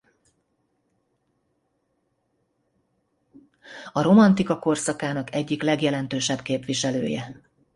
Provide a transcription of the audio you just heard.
A romantika korszakának egyik legjelentősebb képviselője.